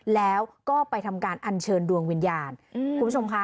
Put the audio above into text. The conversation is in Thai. แล้วก็ไปทำการอัญเชิญดวงวิญญาณคุณผู้ชมค่ะ